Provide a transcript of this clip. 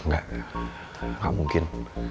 gak gak mungkin